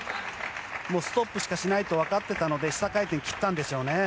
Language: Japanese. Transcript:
ストップしかしないと分かってたので下回転を切ったんでしょうね。